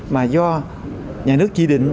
mà do nhà nước chỉ định